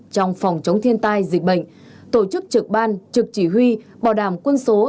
trong phòng chống thiên tai dịch bệnh tổ chức trực ban trực chỉ huy bảo đảm quân số